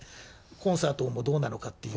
コンサートもどうなのかっていう。